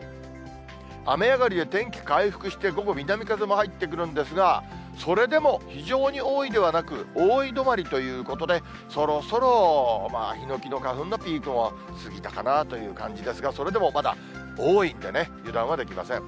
雨上がりで天気回復して、午後、南風も入ってくるんですが、それでも非常に多いではなく、多い止まりということで、そろそろヒノキの花粉のピークも過ぎたかなという感じですが、それでもまだ多いんでね、油断はできません。